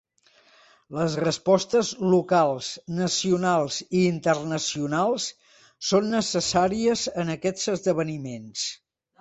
Les respostes locals, nacionals i internacionals són necessàries en aquests esdeveniments.